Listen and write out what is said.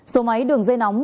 số máy đường dây nóng